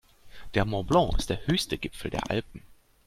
Der Mont Blanc ist der höchste Gipfel der Alpen.